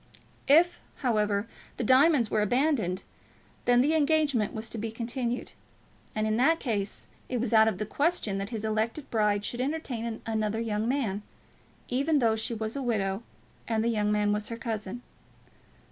If, however, the diamonds were abandoned, then the engagement was to be continued; and in that case it was out of the question that his elected bride should entertain another young man, even though she was a widow and the young man was her cousin.